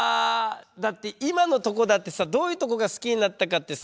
だって今のとこだってさどういうとこが好きになったかってさ